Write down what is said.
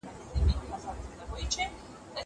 زه اجازه لرم چي سندري واورم.